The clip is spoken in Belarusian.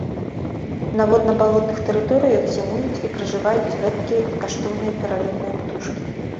На водна-балотных тэрыторыях зімуюць і пражываюць рэдкія і каштоўныя пералётныя птушкі.